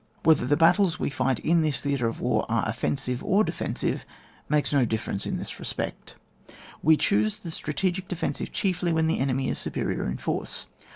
Whether the battles we fight in this theatre of war are offensive or defensive, makes no difference in this respect. 2 We choose the strategic defensive chiefly when the enemy is superior in force.